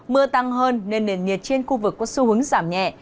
mưa tăng hơn nên nền nhiệt trên khu vực có xu hướng giảm nhẹ